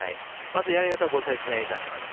まずやり方をご説明いたします。